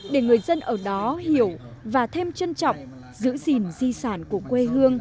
để người dân ở đó hiểu và thêm trân trọng giữ gìn di sản của quê hương